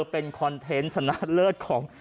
เป็นคอนเทนต์ชนะเลิศของ